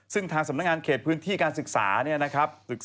ซึ่งทางสำนักงานเขตพื้นที่การศึกษาเนี่ยนะครับ